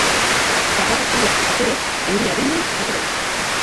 Zapata zuriak paperez, euria denean batere ez.